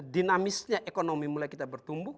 dinamisnya ekonomi mulai kita bertumbuh